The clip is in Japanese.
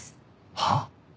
はっ？